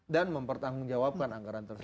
dan mempertanggung jawabkan anggaran tersebut